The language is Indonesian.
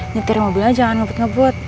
nyetir mobilnya jangan ngebut ngebut